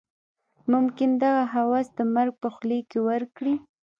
ممکن دغه هوس د مرګ په خوله کې ورکړي.